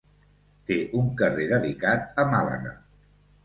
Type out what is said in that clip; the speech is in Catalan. Té un carrer dedicat a Màlaga.